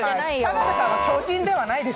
田辺さんは巨人ではないです。